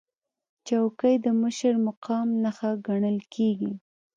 چوکۍ د مشر مقام نښه ګڼل کېږي.